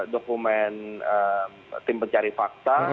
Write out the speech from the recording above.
dokumen tim pencari fakta